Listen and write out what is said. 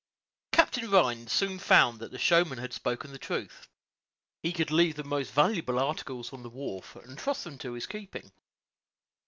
Captain Rhines soon found that the showman had spoken the truth. He could leave the most valuable articles on the wharf, and trust them to his keeping.